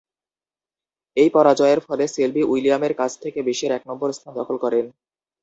এই পরাজয়ের ফলে সেলবি উইলিয়ামের কাছ থেকে বিশ্বের এক নম্বর স্থান দখল করেন।